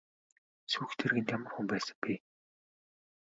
Сүйх тэргэнд ямар хүн байсан бэ?